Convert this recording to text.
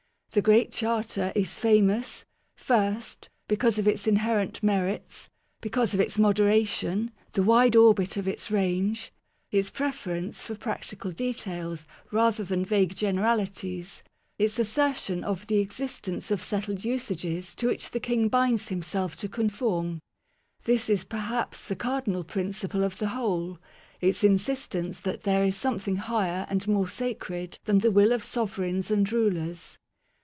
The Great Charter is famous : First. Because of its inherent merits ; because of its moderation ; the wide orbit of its range ; its pre ference for practical details rather than vague general ities; its assertion of the existence of settled usages to which the King binds himself to conform. This is perhaps the cardinal principle of the whole, its insistence that there is something higher and more sacred than the will of sovereigns and rulers.